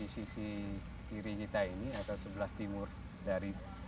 si kiri kita ini ada sebelah timur dari